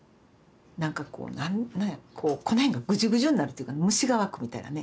なんかこうこの辺がグジュグジュになるというか虫が湧くみたいなね。